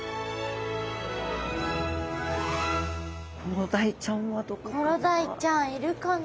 コロダイちゃんはどこかな？